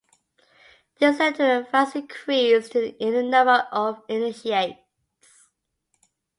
This led to a vast increase in the number of initiates.